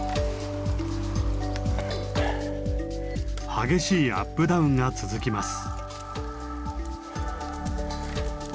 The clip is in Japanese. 激しいアップダウンが続きます。